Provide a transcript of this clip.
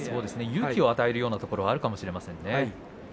勇気を与えるところがあるかもしれませんね。